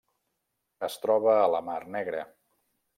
Es troba a la Mar Negra.